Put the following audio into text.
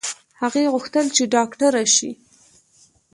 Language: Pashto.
هغې غوښتل چې ډاکټره شي